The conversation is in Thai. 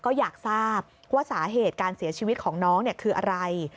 ก็อยากทราบว่าสาเหตุการเสียชีวิตของน้องคืออะไร